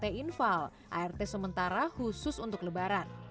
art infal art sementara khusus untuk lebaran